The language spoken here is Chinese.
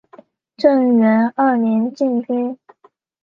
正元二年进军。